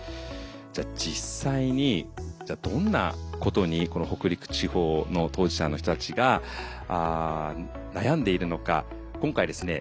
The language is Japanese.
じゃあ実際にどんなことにこの北陸地方の当事者の人たちが悩んでいるのか今回ですね